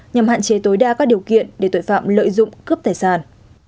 nhằm hạn chế tối đa các điều kiện để tội phạm lợi dụng cướp tài sản